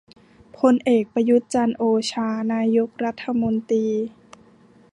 พลเอก ประยุทธ์ จันทร์โอชา นายกรัฐมนตรี